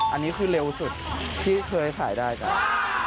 อันนี้คือเร็วสุดที่เคยขายได้ครับ